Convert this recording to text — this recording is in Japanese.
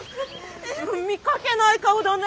見かけない顔だね。